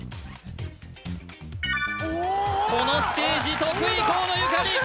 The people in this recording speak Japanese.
このステージ得意河野ゆかり！